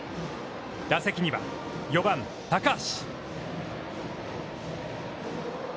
打席には４番、高橋。